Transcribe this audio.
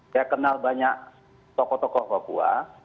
saya kenal banyak tokoh tokoh papua